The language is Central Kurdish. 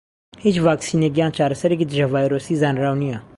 هیچ ڤاکسینێک یان چارەسەرێکی دژە ڤایرۆسی زانراو نیە.